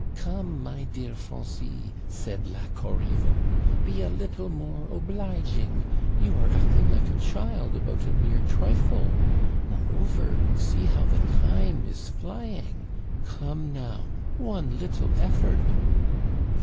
."* Come, my dear Francis,' said La Corriveau, 'be a little more obliging. You are acting like a child about a mere trifle. Moreover, see how the time is flying. Come, now, one little effort